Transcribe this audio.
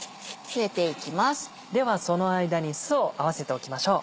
ではその間に酢を合わせておきましょう。